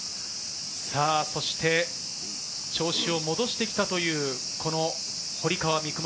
そして調子を戻してきたという堀川未来